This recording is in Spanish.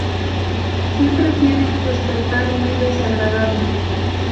Siempre tiene un despertar muy desagradable.